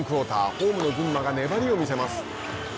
ホームの群馬が粘りを見せます。